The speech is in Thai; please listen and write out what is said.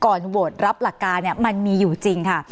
ก่อนโหวตรับหลักการเนี่ยมันมีอยู่จริงคะ